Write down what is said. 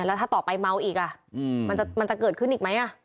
แล้วถ้าต่อไปเมาอีกมันจะเกิดขึ้นอีกไหม